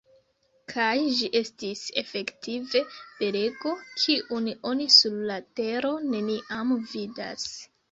Kaj ĝi estis efektive belego, kiun oni sur la tero neniam vidas.